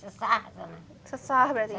sesah berarti agamanya